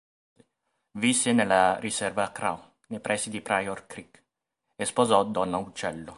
Visse nella riserva Crow nei pressi di Pryor Creek e sposò Donna Uccello.